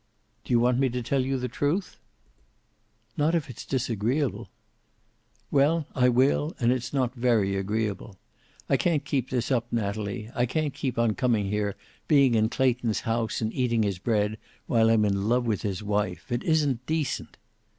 "Do you want me to tell you the truth?" "Not if it's disagreeable." "Well, I will, and it's not very agreeable. I can't keep this up, Natalie. I can't keep on coming here, being in Clayton's house, and eating his bread, while I'm in love with his wife. It isn't decent."